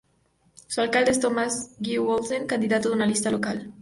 Su alcalde es Thomas W. Olsen, candidato de una lista local.